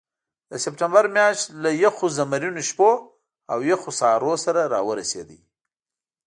د سپټمبر میاشت له یخو زمرینو شپو او یخو سهارو سره راورسېده.